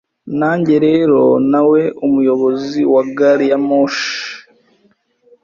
Nanjye rero na we Umuyobozi wa gari ya moshi